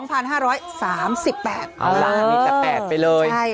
เอาล่ะมีแต่๘ไปเลย